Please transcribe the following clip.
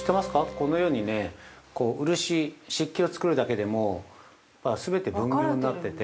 このようにね、漆器を作るだけでも全て分業になってて。